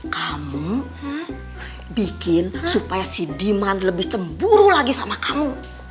kamu bikin supaya si demand lebih cemburu lagi sama kamu